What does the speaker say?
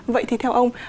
vậy thì theo ông